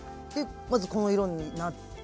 まずこの色になって。